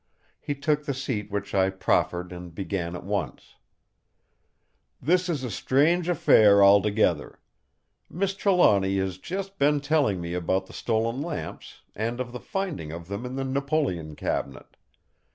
He took the seat which I proffered and began at once: "This is a strange affair altogether. Miss Trelawny has just been telling me about the stolen lamps, and of the finding of them in the Napoleon cabinet.